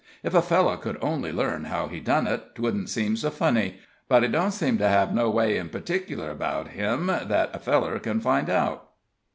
Ef a feller could only learn how he done it, 'twouldn't seem so funny; but he don't seem to have no way in p'tickler about him that a feller ken find out."